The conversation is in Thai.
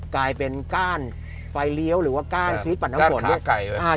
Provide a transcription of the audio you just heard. กลายเป็นก้านไฟเลี้ยวหรือว่าก้านสวิตซ์ปั่นทั้งหมด